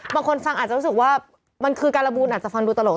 บางคนฟังอาจจะรู้สึกว่ามันคือการละบูลอาจจะฟังดูตลก